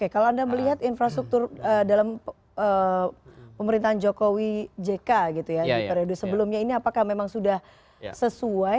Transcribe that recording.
kalau anda melihat infrastruktur dalam pemerintahan jokowi jk gitu ya di periode sebelumnya ini apakah memang sudah sesuai